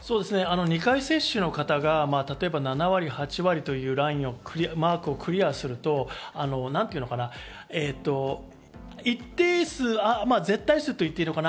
２回接種の方が７割、８割というマークをクリアすると、一定数は、絶対数と言っていいかな。